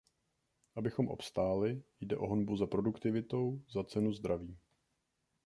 Abychom obstáli, jde o honbu za produktivitou, za cenu zdraví.